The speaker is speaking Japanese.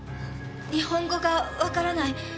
日本語がわからない。